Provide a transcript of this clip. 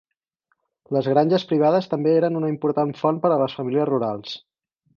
Les granges privades també eren una important font per a les famílies rurals.